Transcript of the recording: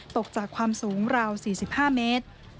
ตกจากความสูงราว๔๕เมตร